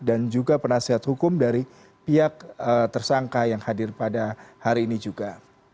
dan juga penasihat hukum dari pihak tersangka yang hadir pada hari ini juga